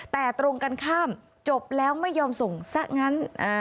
แต่ตรงกันข้ามจบแล้วไม่ยอมส่งซะงั้น